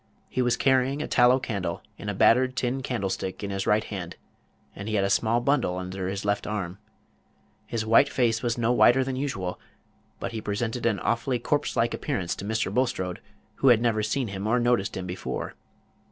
He was carrying a tallow candle in a battered tin candlestick in his right hand, and he had a small bundle under his left arm. His white face was no whiter than usual, but he presented an awfully corpse like appearance to Mr. Bulstrode, who had never seen him or noticed him before.